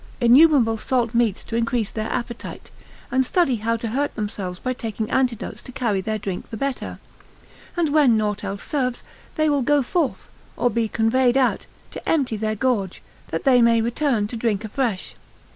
innumerable salt meats to increase their appetite, and study how to hurt themselves by taking antidotes to carry their drink the better; and when nought else serves, they will go forth, or be conveyed out, to empty their gorge, that they may return to drink afresh.